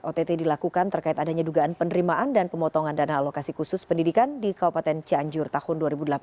ott dilakukan terkait adanya dugaan penerimaan dan pemotongan dana alokasi khusus pendidikan di kabupaten cianjur tahun dua ribu delapan belas